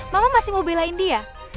mama masih mau belain dia